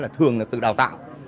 thường là từ đào tạo